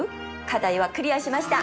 課題はクリアしました。